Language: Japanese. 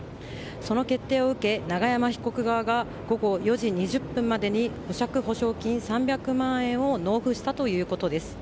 その決定を受け、永山被告側が午後４時２０分までに保釈保証金３００万円を納付したということです。